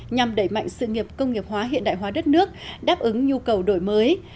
nhằm đẩy mạnh sự nghiệp công nghiệp hóa hiện đại hóa đất nước đáp ứng nhu cầu đổi mới